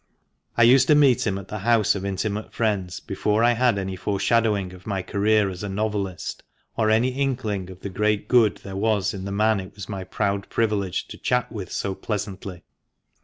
I used to meet him at the house of intimate friends, before I had any foreshadowing of my career as a novelist, or any inkling of the great good there was in the man it was my proud privilege to chat with so pleasantly.